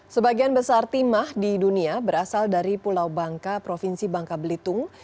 sebagian besar timah di dunia berasal dari pulau bangka provinsi bangka belitung